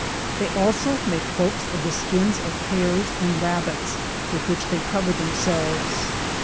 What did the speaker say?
They also make cloaks of the skins of hares and rabbits, with which they cover them selves.